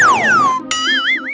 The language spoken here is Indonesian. kayak anget sih bang